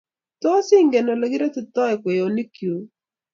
Tos, ingen olegiratitoi kwenyonikguk?